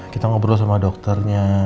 kita ngobrol sama dokternya